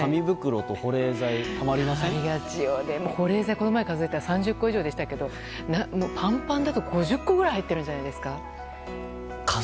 この前数えたら３０個以上でしたけどパンパンだと５０個くらい入ってるんじゃないですか？